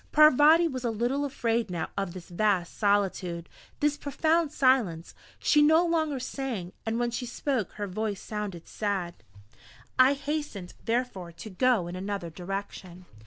Parvati was a little afraid now of this vast solitude this profound silence. She no longer sang, and when she spoke her voice sounded sad.... I hastened, therefore, to go in another direction.